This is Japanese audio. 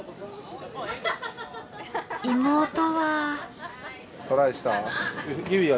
妹は。